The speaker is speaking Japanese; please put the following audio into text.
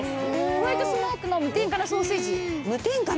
ホワイトスモークの無添加のソーセージ。